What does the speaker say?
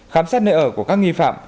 khám xét nơi ở của các nghi phạm